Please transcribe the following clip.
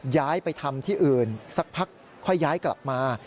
ย้ายไปทำที่อื่นสักพักค่อยย้ายกลับมา